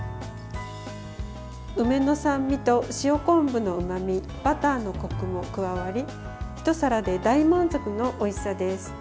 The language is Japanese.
梅の酸味と、塩昆布のうまみバターのこくも加わりひと皿で大満足のおいしさです。